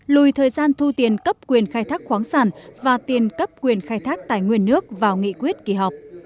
lùi thời gian thu tiền cấp quyền khai thác khoáng sản và tiền cấp quyền khai thác tài nguyên nước vào nghị quyết kỳ họp